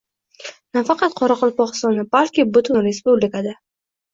Nafaqat Qoraqalpog'istonda, balki butun respublikada!